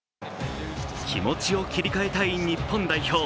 気持ちを切り替えたい日本代表。